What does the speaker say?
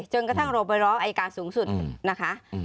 จนกระทั่งโรบร้อยรอบอายการสูงสุดนะคะ